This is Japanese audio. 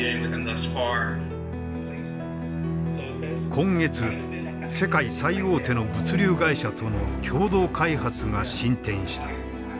今月世界最大手の物流会社との共同開発が進展した。